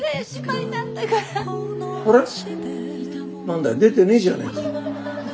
何だよ出てねえじゃねえか。